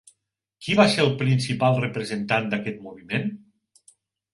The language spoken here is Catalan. Qui va ser el principal representant d'aquest moviment?